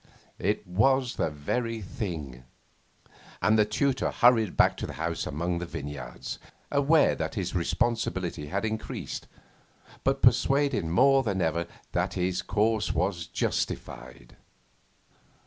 It was the very thing. And the tutor hurried back to the house among the vineyards, aware that his responsibility had increased, but persuaded more than ever that his course was justified.